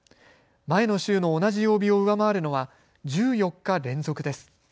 前の週の同じ曜日を上回るのは１４日連続です。